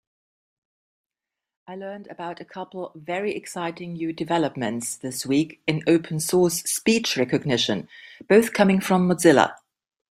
I learned about a couple very exciting new developments this week in open source speech recognition, both coming from Mozilla.